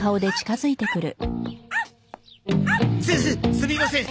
すすみません。